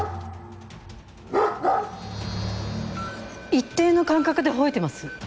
一定の間隔で吠えてます。